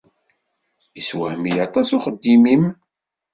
Yessewhem-iyi aṭas uxeddim-nnem.